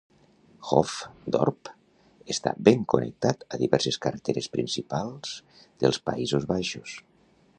Hoofddorp està ben connectat a diverses carreteres principals dels Països Baixos.